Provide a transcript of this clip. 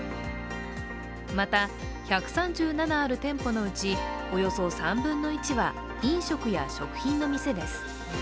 また、１３７ある店舗のうちおよそ３分の１は飲食や食品の店です。